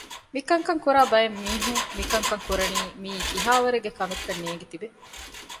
މިކަންކަން ކުރާ ބައެއް މީހުން މިކަންކަން ކުރަނީ މިއީ ކިހާވަރެއްގެ ކަމެއްކަން ނޭނގި ތިބޭ